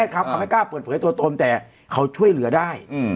เป็นแพทย์ครับเขาไม่กล้าเปิดเผยตัวตนแต่เขาช่วยเหลือได้อืม